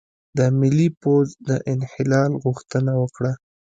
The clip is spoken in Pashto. د ملي پوځ د انحلال غوښتنه وکړه،